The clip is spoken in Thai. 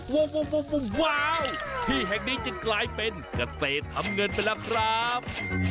ว้าวที่แห่งนี้จึงกลายเป็นเกษตรทำเงินไปแล้วครับ